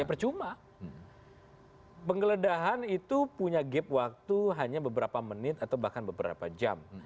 ya percuma penggeledahan itu punya gap waktu hanya beberapa menit atau bahkan beberapa jam